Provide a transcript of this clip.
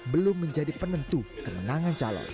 belum menjadi penentu kemenangan calon